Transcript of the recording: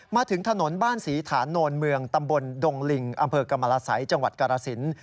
มาถึงถนนบ้านศรีฐานโนนเมืองตำบลดงลิงอำเภอกรรมรสัยจังหวัดกรสิน